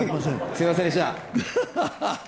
すみませんでした。